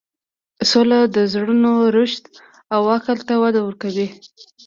سوله د زړونو راشدو او عقل ته وده ورکوي.